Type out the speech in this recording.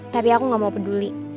tapi aku gak mau peduli